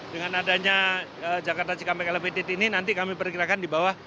dengan adanya jakarta cikampek elevated ini nanti kami perkirakan di bawah